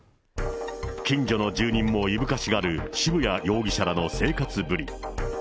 近所の住人もいぶかしがる渋谷容疑者らの生活ぶり。